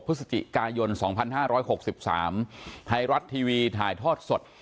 พฤศจิกายนสองพันห้าร้อยหกสิบสามไทยรัฐทีวีถ่ายทอดสด